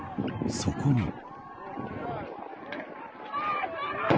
そこに。